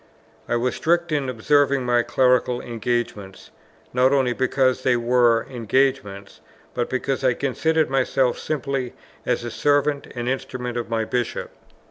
I was strict in observing my clerical engagements, not only because they were engagements, but because I considered myself simply as the servant and instrument of my Bishop.